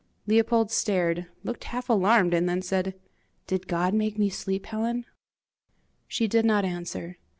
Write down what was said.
Leopold stared, looked half alarmed, and then said, "Did God make me sleep, Helen?" She did not answer.